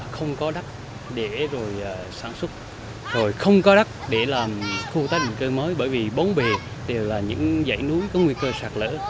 không có đắc để rồi sản xuất rồi không có đắc để làm khu tác định cơ mới bởi vì bóng bề đều là những dãy núi có nguy cơ sạt lỡ